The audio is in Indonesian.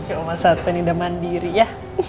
cuma saat ini udah mandiri ya